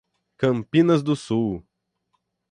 Campinas do Sul